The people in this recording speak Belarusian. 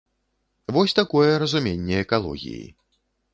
Вось такое разуменне экалогіі.